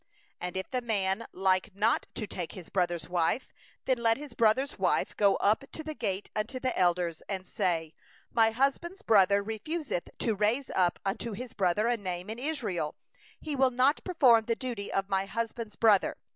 7And if the man like not to take his brother's wife, then his brother's wife shall go up to the gate unto the elders, and say: 'My husband's brother refuseth to raise up unto his brother a name in Israel; he will not perform the duty of a husband's brother unto me.